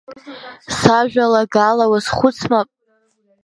Сажәалагала уазхәыцма?